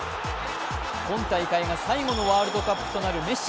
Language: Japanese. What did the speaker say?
今大会が最後のワールドカップとなるメッシ。